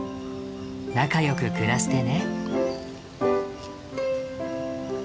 仲よく暮らしてね。